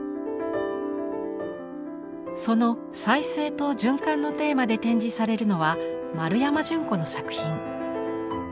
その「再生と循環」のテーマで展示されるのは丸山純子の作品。